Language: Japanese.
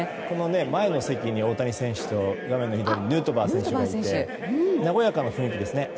前の席に、大谷選手とヌートバー選手がいて和やかな雰囲気ですね。